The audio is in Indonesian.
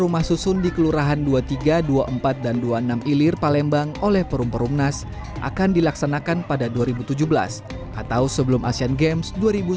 rumah susun di kelurahan dua puluh tiga dua puluh empat dan dua puluh enam ilir palembang oleh perum perumnas akan dilaksanakan pada dua ribu tujuh belas atau sebelum asean games dua ribu sembilan belas